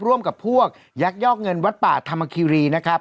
ร่วมกับพวกยักยอกเงินวัดป่าธรรมคิรีนะครับ